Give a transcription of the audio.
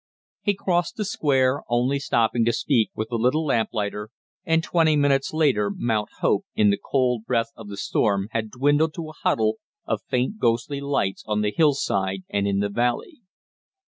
He crossed the Square, only stopping to speak with the little lamplighter, and twenty minutes later Mount Hope, in the cold breath of the storm, had dwindled to a huddle of faint ghostly lights on the hillside and in the valley.